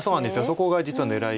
そこが実は狙いで。